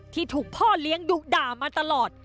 ที่ถูกพ่อเลี้ยงดุด่ามาตลอด